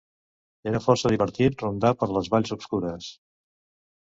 Era força divertit rondar per les valls obscures